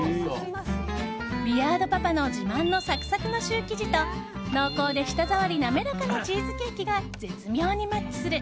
ビアードパパの自慢のサクサクのシュー生地と濃厚で舌触り滑らかなチーズケーキが絶妙にマッチする